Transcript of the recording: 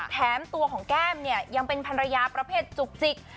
แถมตัวของแก้มเนี่ยยังเป็นภรรยาประเภทจุกจิก